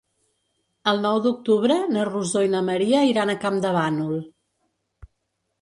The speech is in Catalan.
El nou d'octubre na Rosó i na Maria iran a Campdevànol.